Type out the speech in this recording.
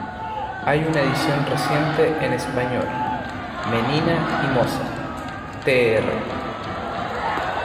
Hay una edición reciente en español: "Menina y moza", tr.